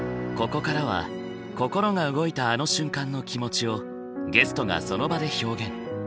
ここからは心が動いたあの瞬間の気持ちをゲストがその場で表現。